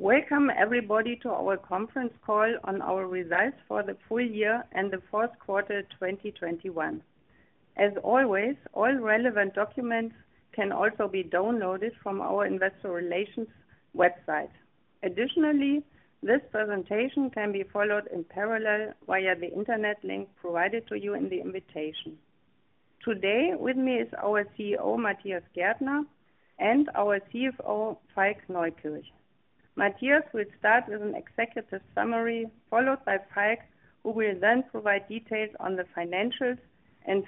Welcome everybody to our conference call on our results for the full year and the fourth quarter, 2021. As always, all relevant documents can also be downloaded from our investor relations website. Additionally, this presentation can be followed in parallel via the internet link provided to you in the invitation. Today, with me is our CEO, Matthias Gärtner, and our CFO, Falk Neukirch. Matthias will start with an executive summary, followed by Falk, who will then provide details on the financials.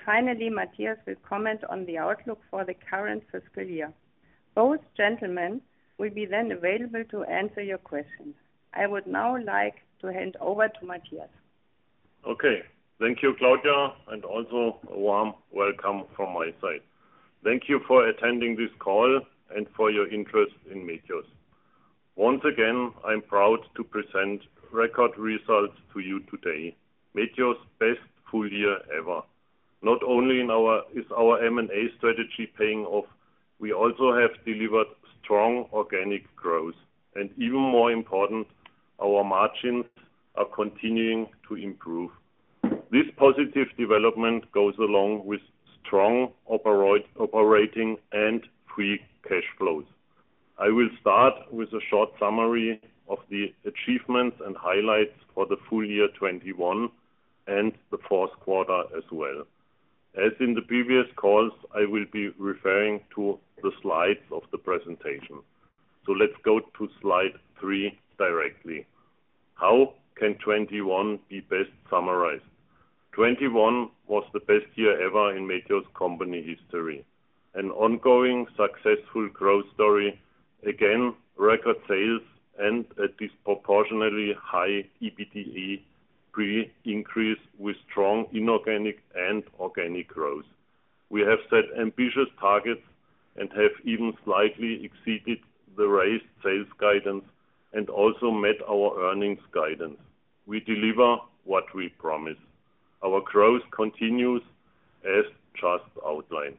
Finally, Matthias will comment on the outlook for the current fiscal year. Both gentlemen will then be available to answer your questions. I would now like to hand over to Matthias. Okay. Thank you, Claudia, and also a warm welcome from my side. Thank you for attending this call and for your interest in Medios. Once again, I'm proud to present record results to you today. Medios' best full year ever. Not only is our M&A strategy paying off, we also have delivered strong organic growth. Even more important, our margins are continuing to improve. This positive development goes along with strong operating and free cash flows. I will start with a short summary of the achievements and highlights for the full year 2021 and the fourth quarter as well. As in the previous calls, I will be referring to the slides of the presentation. Let's go to slide three directly. How can 2021 be best summarized? 2021 was the best year ever in Medios company history. An ongoing successful growth story. Again, record sales and a disproportionately high EBITDA pre-increase with strong inorganic and organic growth. We have set ambitious targets and have even slightly exceeded the raised sales guidance and also met our earnings guidance. We deliver what we promise. Our growth continues as just outlined.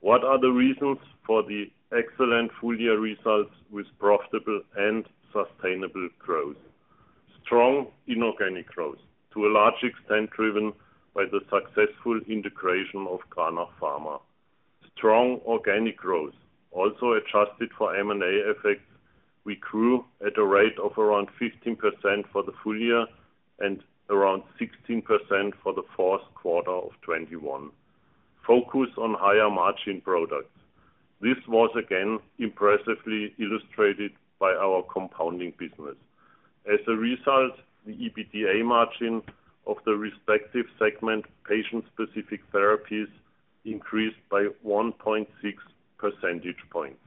What are the reasons for the excellent full-year results with profitable and sustainable growth? Strong inorganic growth, to a large extent driven by the successful integration of Cranach Pharma. Strong organic growth, also adjusted for M&A effects. We grew at a rate of around 15% for the full year and around 16% for the fourth quarter of 2021. Focus on higher margin products. This was again impressively illustrated by our compounding business. As a result, the EBITDA margin of the respective segment, Patient-Specific Therapies, increased by 1.6% points.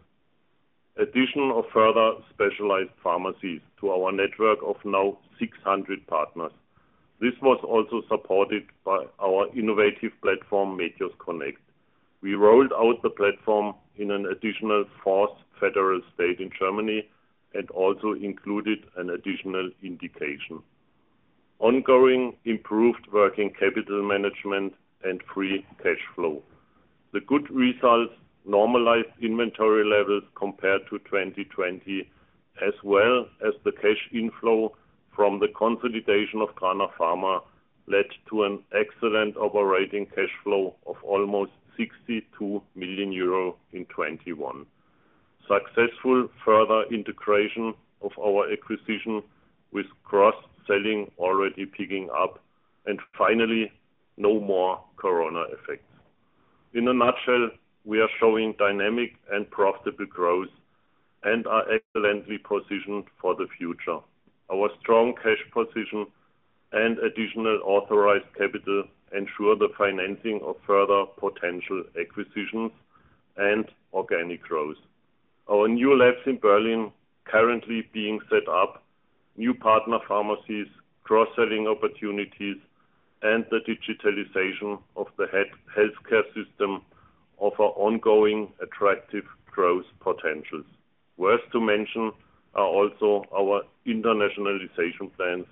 Addition of further specialized pharmacies to our network of now 600 partners. This was also supported by our innovative platform, medios Connect. We rolled out the platform in an additional fourth federal state in Germany and also included an additional indication. Ongoing improved working capital management and free cash flow. The good results normalized inventory levels compared to 2020, as well as the cash inflow from the consolidation of Cranach Pharma led to an excellent operating cash flow of almost 62 million euro in 2021. Successful further integration of our acquisition with cross-selling already picking up, and finally, no more corona effects. In a nutshell, we are showing dynamic and profitable growth and are excellently positioned for the future. Our strong cash position and additional authorized capital ensure the financing of further potential acquisitions and organic growth. Our new labs in Berlin currently being set up, new partner pharmacies, cross-selling opportunities, and the digitalization of the healthcare system offer ongoing attractive growth potentials. Worth mentioning are also our internationalization plans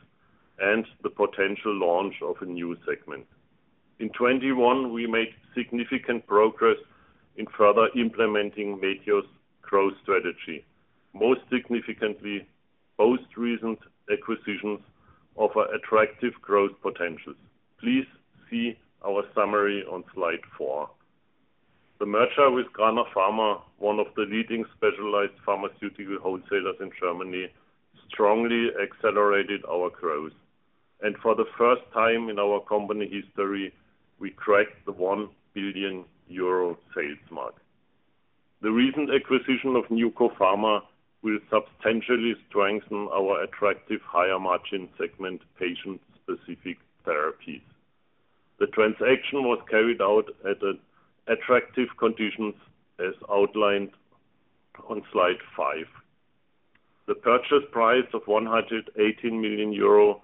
and the potential launch of a new segment. In 2021, we made significant progress in further implementing Medios growth strategy. Most significantly, most recent acquisitions offer attractive growth potentials. Please see our summary on slide four. The merger with Cranach Pharma, one of the leading specialized pharmaceutical wholesalers in Germany, strongly accelerated our growth. For the first time in our company history, we cracked the 1 billion euro sales mark. The recent acquisition of NewCo Pharma will substantially strengthen our attractive higher margin segment Patient-Specific Therapies. The transaction was carried out at attractive conditions, as outlined on slide five. The purchase price of 118 million euro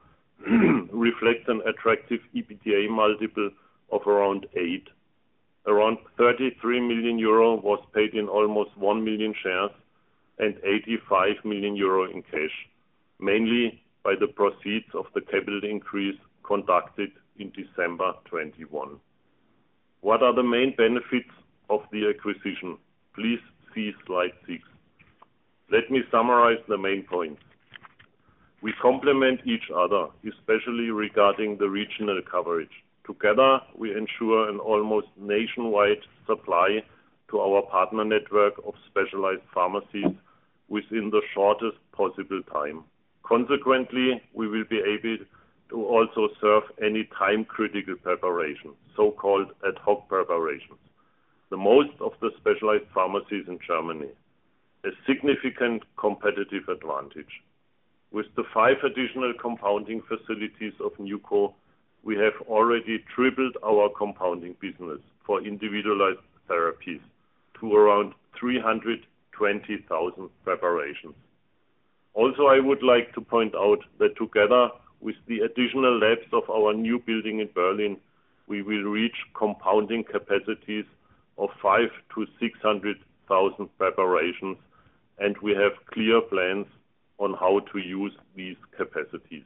reflects an attractive EBITDA multiple of around 8x. Around 33 million euro was paid in almost 1 million shares and 85 million euro in cash, mainly by the proceeds of the capital increase conducted in December 2021. What are the main benefits of the acquisition? Please see slide six. Let me summarize the main points. We complement each other, especially regarding the regional coverage. Together, we ensure an almost nationwide supply to our partner network of specialized pharmacies within the shortest possible time. Consequently, we will be able to also serve any time-critical preparation, so-called ad hoc preparations to most of the specialized pharmacies in Germany, a significant competitive advantage. With the five additional compounding facilities of NewCo, we have already tripled our compounding business for individualized therapies to around 320,000 preparations. I would like to point out that together with the additional labs of our new building in Berlin, we will reach compounding capacities of 500,000-600,000 preparations, and we have clear plans on how to use these capacities.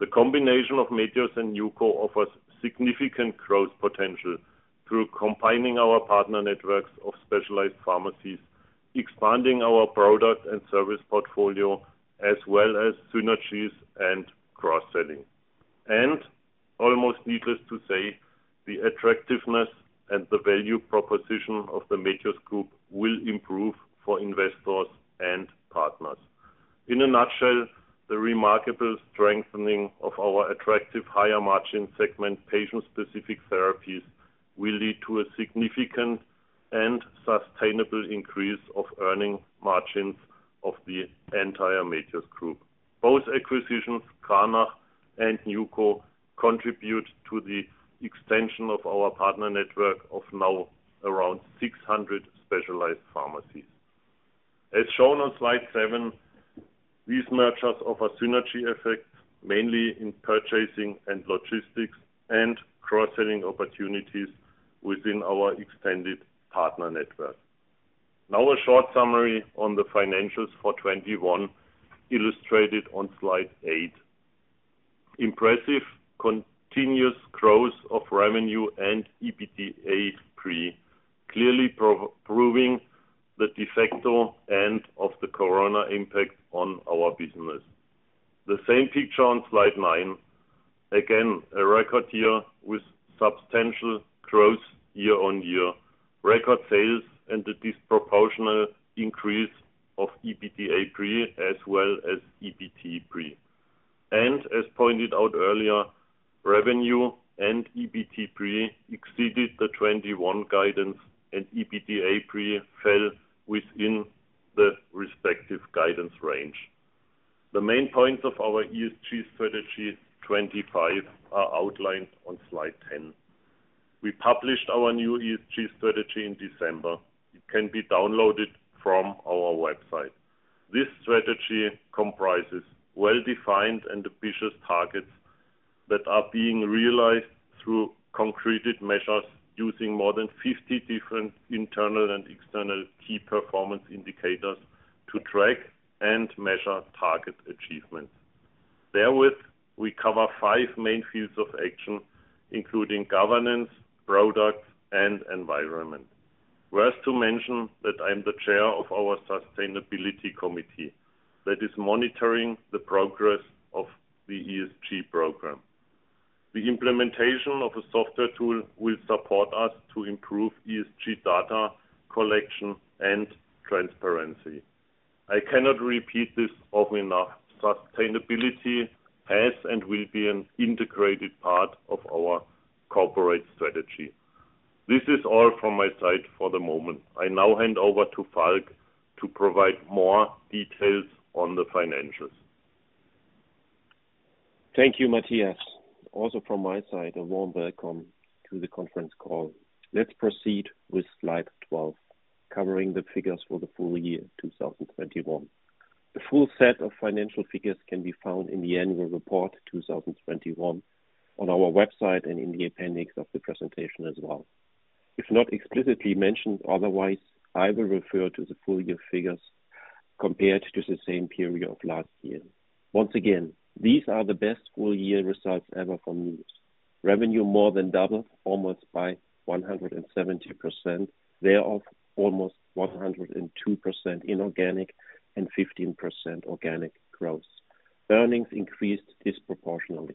The combination of Medios and NewCo offers significant growth potential through combining our partner networks of specialized pharmacies, expanding our product and service portfolio, as well as synergies and cross-selling. Almost needless to say, the attractiveness and the value proposition of the Medios group will improve for investors and partners. In a nutshell, the remarkable strengthening of our attractive higher margin segment Patient-Specific Therapies will lead to a significant and sustainable increase of earnings margins of the entire Medios group. Both acquisitions, Cranach and NewCo, contribute to the extension of our partner network of now around 600 specialized pharmacies. As shown on slide 7, these mergers offer synergy effects mainly in purchasing and logistics and cross-selling opportunities within our extended partner network. Now a short summary on the financials for 2021, illustrated on slide eight. Impressive continuous growth of revenue and EBITDA pre, clearly proving the de facto end of the corona impact on our business. The same picture on slide nine. Again, a record year with substantial growth year-over-year, record sales, and the disproportionate increase of EBITDA pre as well as EBT pre. As pointed out earlier, revenue and EBT pre exceeded the 2021 guidance, and EBITDA pre fell within the respective guidance range. The main points of our ESG Strategy 2025 are outlined on slide 10. We published our new ESG Strategy in December. It can be downloaded from our website. This strategy comprises well-defined and ambitious targets that are being realized through concrete measures using more than 50 different internal and external key performance indicators to track and measure target achievements. Therewith, we cover five main fields of action, including governance, products, and environment. Worth mentioning that I am the chair of our sustainability committee that is monitoring the progress of the ESG program. The implementation of a software tool will support us to improve ESG data collection and transparency. I cannot repeat this often enough. Sustainability has and will be an integrated part of our corporate strategy. This is all from my side for the moment. I now hand over to Falk to provide more details on the financials. Thank you, Matthias. Also from my side, a warm welcome to the conference call. Let's proceed with slide 12, covering the figures for the full year 2021. The full set of financial figures can be found in the annual report 2021 on our website and in the appendix of the presentation as well. If not explicitly mentioned otherwise, I will refer to the full year figures compared to the same period of last year. Once again, these are the best full year results ever from Medios. Revenue more than doubled, almost by 170%. They are almost 102% inorganic and 15% organic growth. Earnings increased disproportionally.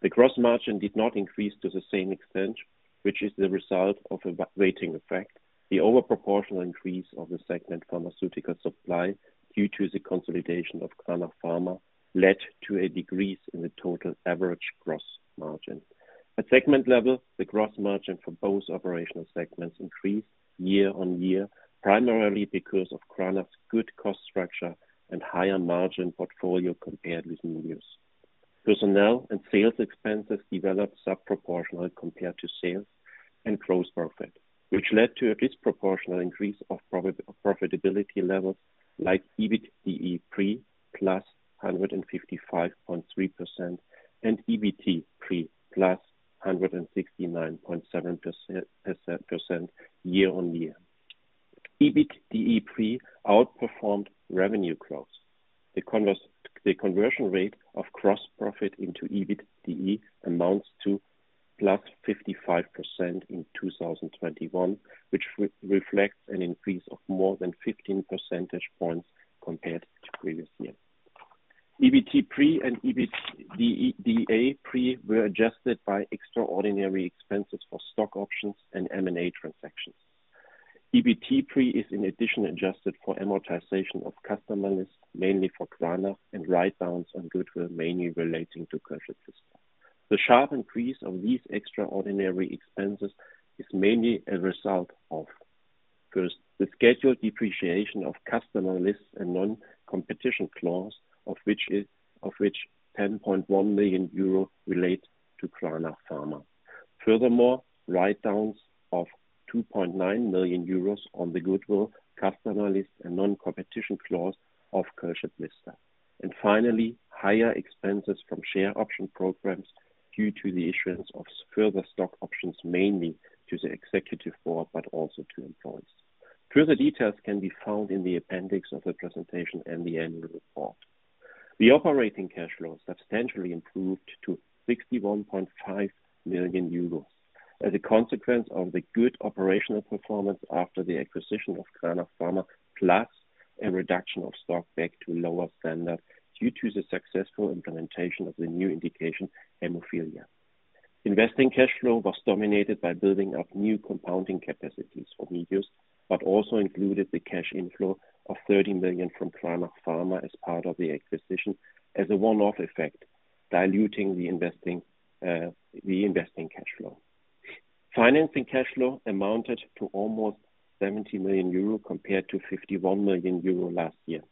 The gross margin did not increase to the same extent, which is the result of a weighting effect. The overproportional increase of the segment Pharmaceutical Supply due to the consolidation of Cranach Pharma led to a decrease in the total average gross margin. At segment level, the gross margin for both operational segments increased year-over-year, primarily because of Cranach's good cost structure and higher margin portfolio compared with NewCo. Personnel and sales expenses developed subproportional compared to sales and gross profit, which led to a disproportional increase of profitability levels like EBITDA pre +155.3% and EBT pre +169.7% year-over-year. EBITDA pre outperformed revenue growth. The conversion rate of gross profit into EBITDA amounts to +55% in 2021, which reflects an increase of more than 15% points compared to previous year. EBT pre and EBITDA pre were adjusted by extraordinary expenses for stock options and M&A transactions. EBT pre is in addition adjusted for amortization of customer lists, mainly for Cranach and write-downs on goodwill, mainly relating to Kärchet system. The sharp increase of these extraordinary expenses is mainly a result of, first, the scheduled depreciation of customer lists and non-competition clause, of which 10.1 million euro relates to Cranach Pharma. Furthermore, write-downs of 2.9 million euros on the goodwill customer lists and non-competition clause of Cranach Pharma. Finally, higher expenses from share option programs due to the issuance of further stock options, mainly to the executive board, but also to employees. Further details can be found in the appendix of the presentation and the annual report. The operating cash flow substantially improved to 61.5 million euros as a consequence of the good operational performance after the acquisition of Cranach Pharma, plus a reduction of stock back to a lower standard due to the successful implementation of the new indication, hemophilia. Investing cash flow was dominated by building up new compounding capacities for Medios, but also included the cash inflow of 30 million from Cranach Pharma as part of the acquisition as a one-off effect, diluting the investing cash flow. Financing cash flow amounted to almost 70 million euro compared to 51 million euro last year,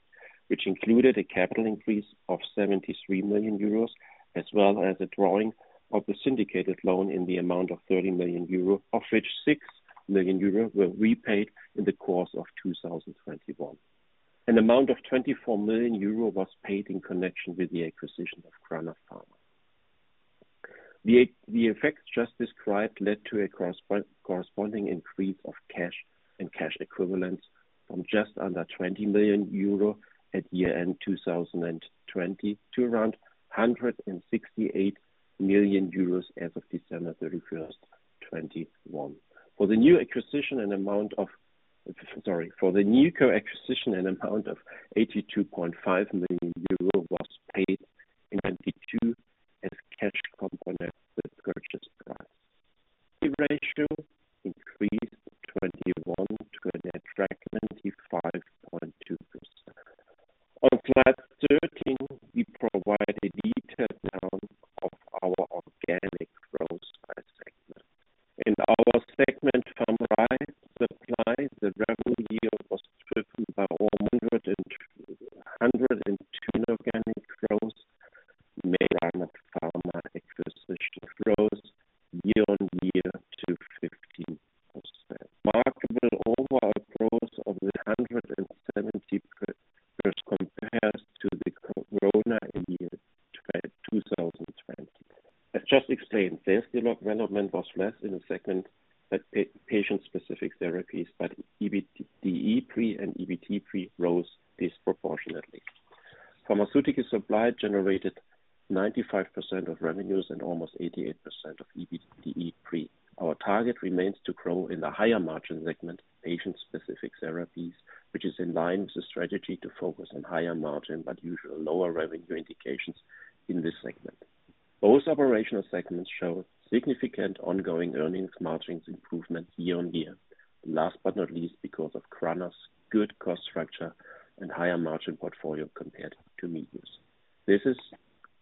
which included a capital increase of 73 million euros, as well as a drawing of the syndicated loan in the amount of 30 million euro, of which 6 million euro were repaid in the course of 2021. An amount of 24 million euro was paid in connection with the acquisition of Cranach Pharma. The effects just described led to a corresponding increase of cash and cash equivalents from just under 20 million euro at year-end 2020 to around 168 million euros as of December 31, 2021. For the NewCo acquisition, an amount of EUR 82.5 million was paid in 2022 as cash component with purchase price. The ratio increased in 2021 to a net debt of 95.2%. On slide 13,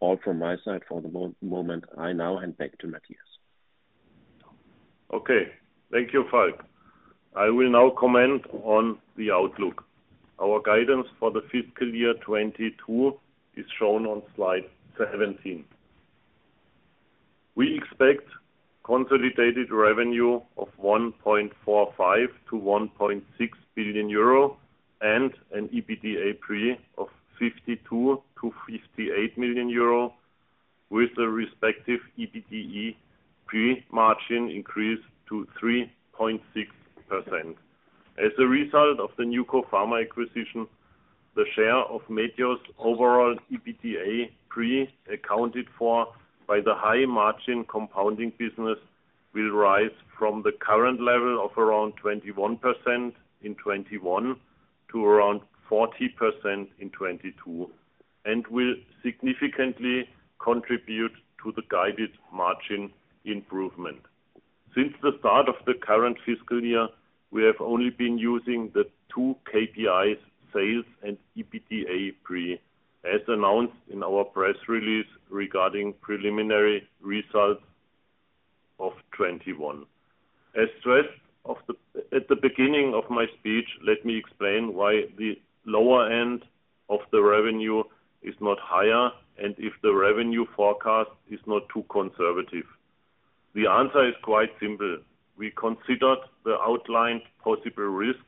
all from my side for the moment. I now hand back to Matthias. Okay, thank you, Falk. I will now comment on the outlook. Our guidance for the fiscal year 2022 is shown on slide 17. We expect consolidated revenue of 1.45 billion-1.6 billion euro and an EBITDA pre of 52 million-58 million euro with a respective EBITDA pre-margin increase to 3.6%. As a result of the NewCo Pharma acquisition, the share of Medios overall EBITDA pre accounted for by the high margin compounding business will rise from the current level of around 21% in 2021 to around 40% in 2022, and will significantly contribute to the guided margin improvement. Since the start of the current fiscal year, we have only been using the two KPIs, sales and EBITDA pre, as announced in our press release regarding preliminary results of 2021. At the beginning of my speech, let me explain why the lower end of the revenue is not higher and if the revenue forecast is not too conservative. The answer is quite simple. We considered the outlined possible risk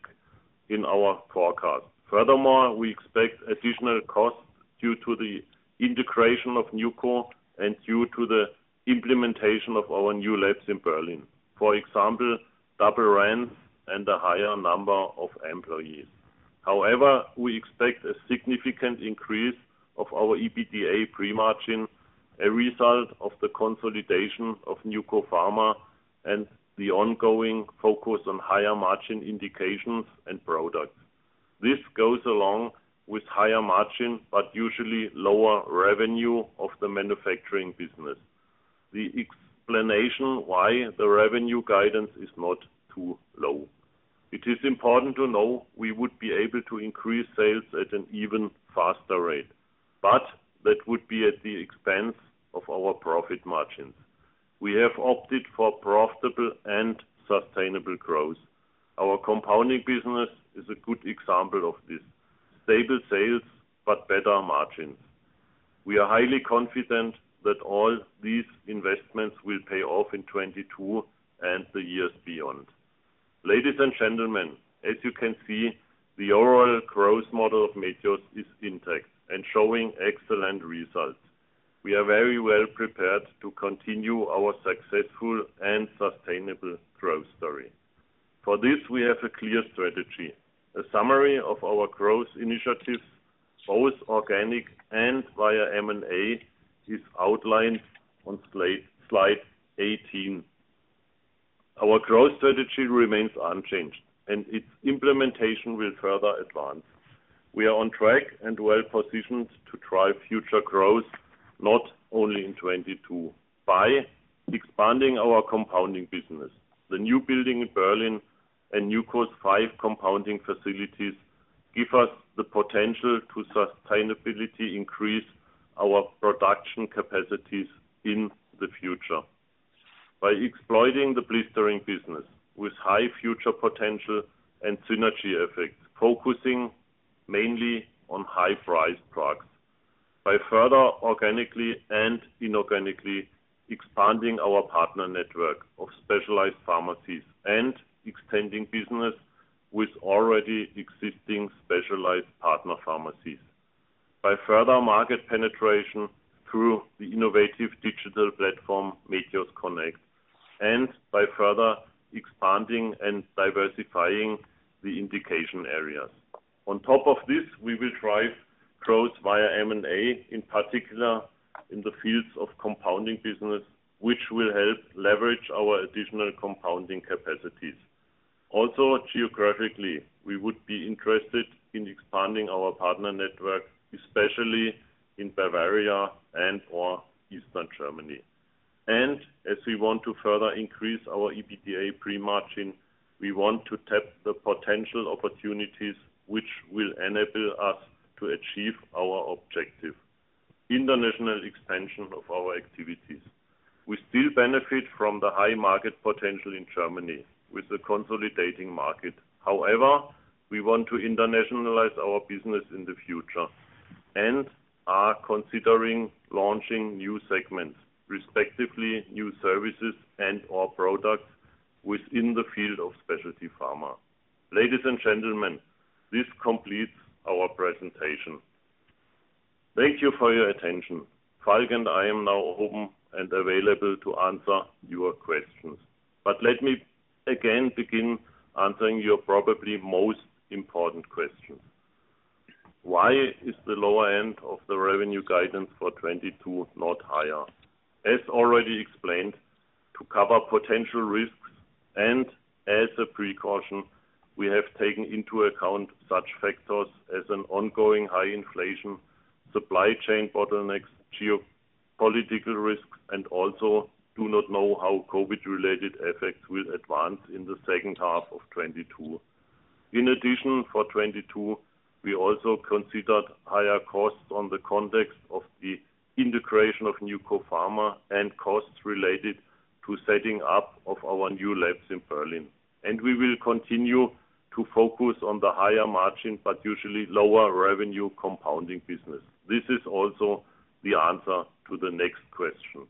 in our forecast. Furthermore, we expect additional costs due to the integration of NewCo and due to the implementation of our new labs in Berlin, for example, double rent and a higher number of employees. However, we expect a significant increase of our EBITDA pre-margin, a result of the consolidation of NewCo Pharma and the ongoing focus on higher margin indications and products. This goes along with higher margin but usually lower revenue of the manufacturing business. The explanation why the revenue guidance is not too low. It is important to know we would be able to increase sales at an even faster rate, but that would be at the expense of our profit margins. We have opted for profitable and sustainable growth. Our compounding business is a good example of this. Stable sales but better margins. We are highly confident that all these investments will pay off in 2022 and the years beyond. Ladies and gentlemen, as you can see, the overall growth model of Medios is intact and showing excellent results. We are very well prepared to continue our successful and sustainable growth story. For this, we have a clear strategy. A summary of our growth initiatives, both organic and via M&A, is outlined on slide 18. Our growth strategy remains unchanged and its implementation will further advance. We are on track and well-positioned to drive future growth, not only in 2022, by expanding our compounding business. The new building in Berlin and NewCo's five compounding facilities give us the potential to sustainably increase our production capacities in the future. By exploiting the blister business with high future potential and synergy effects, focusing mainly on high-priced products. By further organically and inorganically expanding our partner network of specialized pharmacies and extending business with already existing specialized partner pharmacies. By further market penetration through the innovative digital platform, Medios Connect, and by further expanding and diversifying the indication areas. On top of this, we will drive growth via M&A, in particular in the fields of compounding business, which will help leverage our additional compounding capacities. Also, geographically, we would be interested in expanding our partner network, especially in Bavaria and/or Eastern Germany. As we want to further increase our EBITDA pre-margin, we want to tap the potential opportunities which will enable us to achieve our objective, international expansion of our activities. We still benefit from the high market potential in Germany with the consolidating market. However, we want to internationalize our business in the future and are considering launching new segments, respectively, new services and/or products within the field of specialty pharma. Ladies and gentlemen, this completes our presentation. Thank you for your attention. Falk and I am now open and available to answer your questions. Let me again begin answering your probably most important question. Why is the lower end of the revenue guidance for 2022 not higher? As already explained, to cover potential risks and as a precaution, we have taken into account such factors as an ongoing high inflation, supply chain bottlenecks, geopolitical risks, and we also do not know how COVID-related effects will advance in the second half of 2022. In addition, for 2022, we also considered higher costs in the context of the integration of NewCo Pharma and costs related to setting up of our new labs in Berlin. We will continue to focus on the higher margin, but usually lower revenue compounding business. This is also the answer to the next question.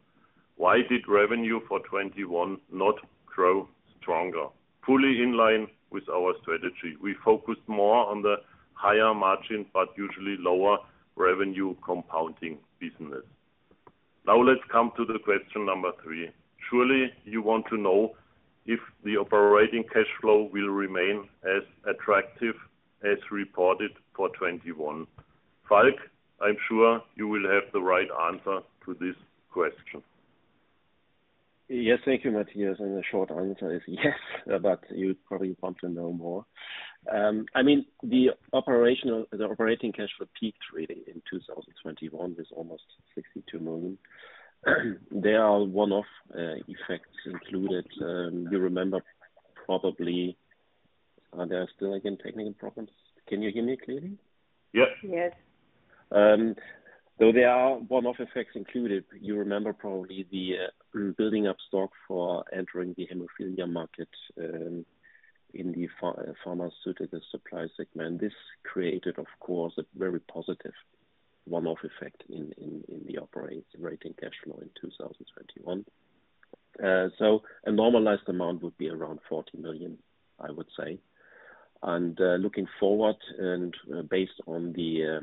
Why did revenue for 2021 not grow stronger? Fully in line with our strategy, we focused more on the higher margin but usually lower revenue compounding business. Now let's come to the question number three. Surely you want to know if the operating cash flow will remain as attractive as reported for 2021. Falk, I'm sure you will have the right answer to this question. Yes. Thank you, Matthias. The short answer is yes, but you probably want to know more. I mean, the operating cash flow peaked really in 2021 with almost 62 million. There are one-off effects included. You remember probably. Are there still, again, technical problems? Can you hear me clearly? Yes. Yes. So there are one-off effects included. You remember probably the building up stock for entering the hemophilia market in the Pharmaceutical Supply segment. This created, of course, a very positive one-off effect in the operating cash flow in 2021. A normalized amount would be around 40 million, I would say. Looking forward and based on the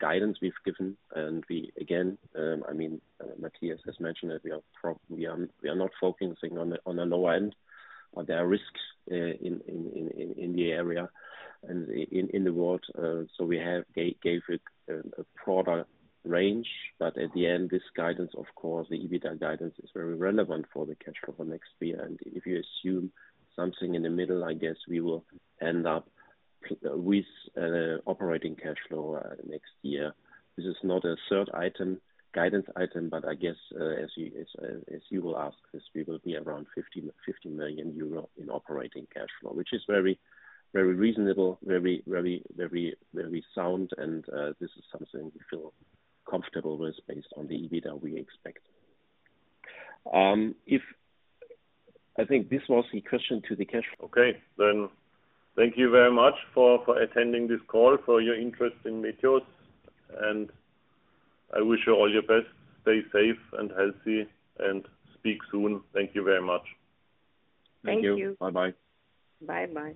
guidance we've given, and we again, I mean, Matthias has mentioned that we are not focusing on the low end. There are risks in the area and in the world. We have gave it a broader range. At the end, this guidance, of course, the EBITDA guidance is very relevant for the cash flow for next year. If you assume something in the middle, I guess we will end up with operating cash flow next year. This is not a third item, guidance item, but I guess as you will ask this, we will be around 50 million euro in operating cash flow, which is very reasonable, very sound. This is something we feel comfortable with based on the EBITDA we expect. I think this was the question to the cash flow. Okay. Thank you very much for attending this call, for your interest in Medios, and I wish you all your best. Stay safe and healthy, and speak soon. Thank you very much. Thank you. Bye-bye. Bye-bye.